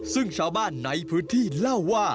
ซึ่งชาวบ้านในพื้นที่เล่าว่า